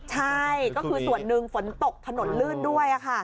ใช่ก็คือส่วนหนึ่งฝนตกถนนลื่นด้วย